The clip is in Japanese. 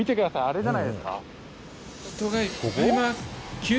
あれじゃないですか？